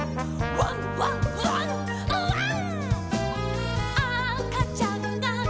「ワンワンワンワン」